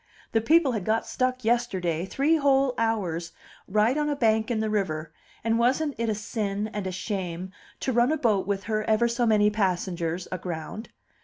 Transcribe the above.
The people had got stuck yesterday, three whole hours, right on a bank in the river; and wasn't it a sin and a shame to run a boat with ever so many passengers aground?